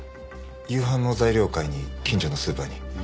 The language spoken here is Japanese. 夕飯の材料を買いに近所のスーパーに。